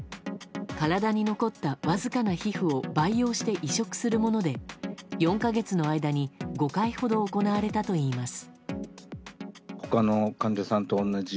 体に残ったわずかな皮膚を培養して移植するもので４か月の間に５回ほど行われたといいます。